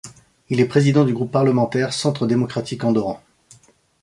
Il est président du groupe parlementaire Centre démocratique andorran.